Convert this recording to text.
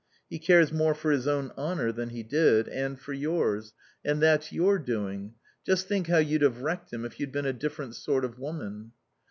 He cares more for his own honour than he did. And for yours. And that's your doing. Just think how you'd have wrecked him if you'd been a different sort of woman."